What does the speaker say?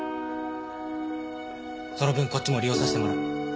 その分こっちも利用させてもらう。